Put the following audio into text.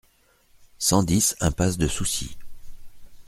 cent dix impasse de Soucy